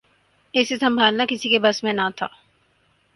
اسے سنبھالنا کسی کے بس میں نہ تھا